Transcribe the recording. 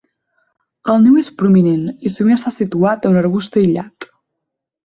El niu és prominent i sovint està situat a un arbust aïllat.